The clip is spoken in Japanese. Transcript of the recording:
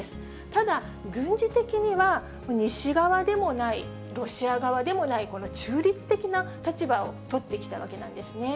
ただ、軍事的には西側でもない、ロシア側でもない、この中立的な立場を取ってきたわけなんですね。